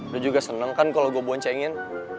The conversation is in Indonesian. lo juga seneng kan kalau gue boncengin